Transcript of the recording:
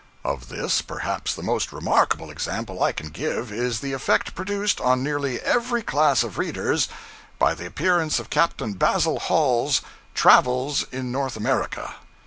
Of this, perhaps, the most remarkable example I can give is the effect produced on nearly every class of readers by the appearance of Captain Basil Hall's 'Travels in North America.'